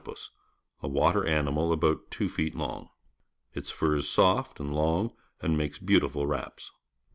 billed platypus — a water animal about two feet long. Its fur is soft and long and makes beautiful wraps.